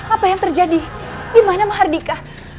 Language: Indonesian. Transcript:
apa yang terjadi gimana mahardika